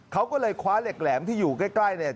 เขาก็เลยคว้าเหล็กแหลมที่อยู่ใกล้เนี่ย